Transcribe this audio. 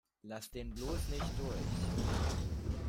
Lass den bloß nicht durch!